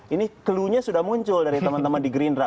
ini clue nya sudah muncul dari teman teman di gerindra